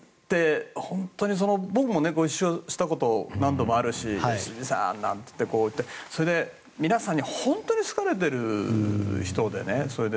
僕もご一緒したことが何度もあるしすみませんなんて言ってそれで、皆さんに本当に好かれている人で。